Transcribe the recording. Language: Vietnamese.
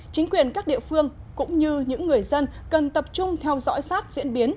chính quyền các địa phương cũng như những người dân cần tập trung theo dõi sát diễn biến